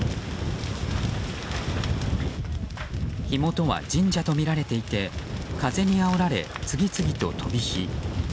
火元は神社とみられていて風にあおられ、次々と飛び火。